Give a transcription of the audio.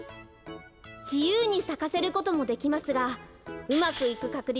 じゆうにさかせることもできますがうまくいくかくり